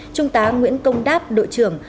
trung tá nguyễn công đáp đội trưởng